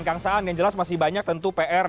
kang saan yang jelas masih banyak tentu pr